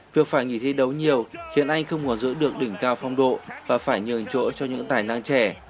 việc phải nghỉ thi đấu nhiều khiến anh không còn giữ được đỉnh cao phong độ và phải nhường chỗ cho những tài năng trẻ